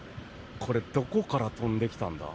これ、どこから飛んできたんだ？